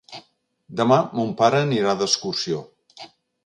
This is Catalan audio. Demà mon pare anirà d'excursió.